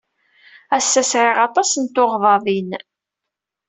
Ass-a sɛiɣ aṭas n tuɣdaḍin.